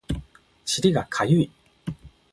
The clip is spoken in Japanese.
尻がかゆい